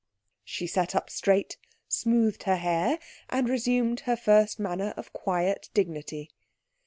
She sat up straight, smoothed her hair, and resumed her first manner of quiet dignity.